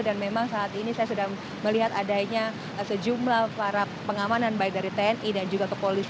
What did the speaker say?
dan memang saat ini saya sudah melihat adanya sejumlah para pengamanan baik dari tni dan juga kepolisi